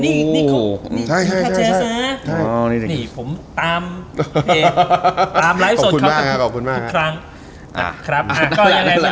อู้ใช่นี่ผมตามเพลงตามไลฟ์ส่วนครั้งนี้ครับครับอาละนี้